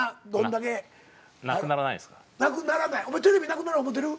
テレビなくなる思うてる？